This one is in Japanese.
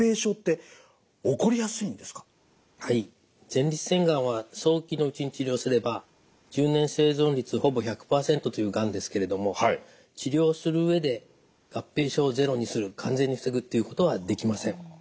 前立腺がんは早期のうちに治療すれば１０年生存率ほぼ１００％というがんですけれども治療する上で合併症をゼロにする完全に防ぐっていうことはできません。